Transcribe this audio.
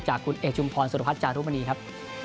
จากคุณเอชุมพรสุฤพทธิ์จานุบันนีครับ